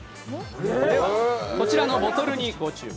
では、こちらのボトルにご注目。